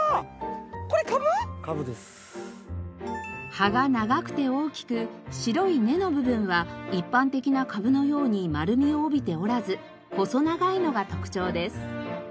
葉が長くて大きく白い根の部分は一般的なカブのように丸みを帯びておらず細長いのが特徴です。